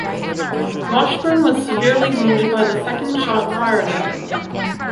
Washburn was severely wounded by the second shot fired at him.